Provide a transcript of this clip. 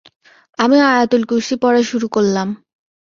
আমি আয়তুল কুরসি পড়া শুরু করলাম।